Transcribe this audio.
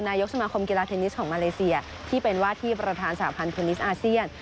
นายกสมาคมกีฬาเทนนิสของมาเลเซียที่เป็นว่าที่ประธานสาพันธ์เทนนิสอาเซียน